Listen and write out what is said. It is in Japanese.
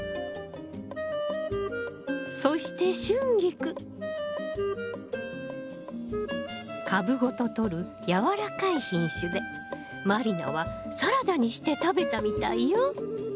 そして株ごととる柔らかい品種で満里奈はサラダにして食べたみたいよ！